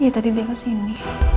iya tadi dia kesini